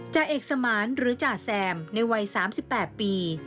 จ่าเอกสมานหรือจ่าแซมในวัย๓๘ปี